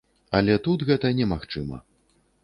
Але тут гэта немагчыма.